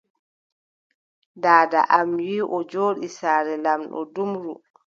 Daada am wii o jooɗi saare lamɗo Dumru,